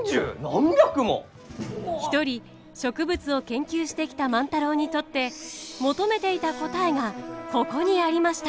一人植物を研究してきた万太郎にとって求めていた答えがここにありました。